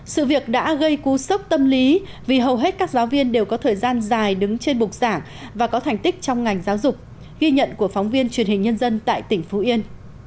sự việc đã gây cú sốc tâm lý vì hầu hết các giáo viên đều có thời gian dài đứng trên bục giảng và có thành tích trong ngành giáo dục ghi nhận của phóng viên truyền hình nhân dân tại tỉnh phú yên